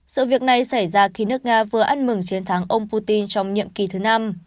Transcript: sự việc này xảy ra khi nước nga vừa ăn mừng chiến thắng ông putin trong nhiệm kỳ thứ năm